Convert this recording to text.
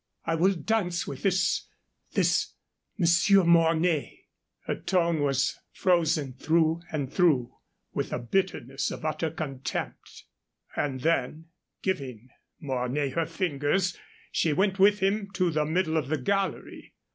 "I will dance with this this Monsieur Mornay." Her tone was frozen through and through with the bitterness of utter contempt. And then, giving Mornay her fingers, she went with him to the middle of the gallery.